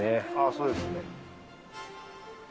そうですね。